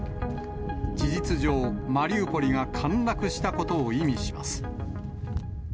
事実上、マリウポリが陥落したことを意味します。